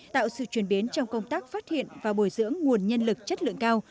tạo sự chuyển biến trong công tác phát hiện và bồi dưỡng nguồn nhân lực chất lượng cao